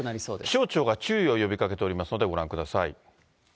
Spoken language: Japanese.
気象庁が注意を呼びかけておりますので、ご覧ください。